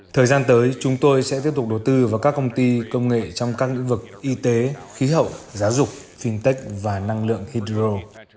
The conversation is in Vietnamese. thời gian tới chúng tôi sẽ tiếp tục đầu tư vào các công ty công nghệ trong các lĩnh vực y tế khí hậu giáo dục fintech và năng lượng hydro